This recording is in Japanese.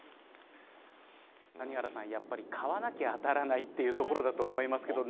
谷原さん、やっぱり買わなきゃ当たらないというところだと思いますけれども。